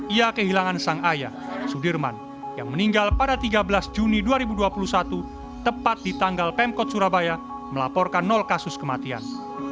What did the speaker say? ia kehilangan sang ayah sudirman yang meninggal pada tiga belas juni dua ribu dua puluh satu tepat di tanggal pemkot surabaya melaporkan nol kasus kematian